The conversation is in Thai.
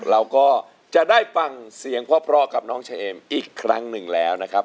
เราก็จะได้ฟังเสียงพ่อกับน้องเชมอีกครั้งหนึ่งแล้วนะครับ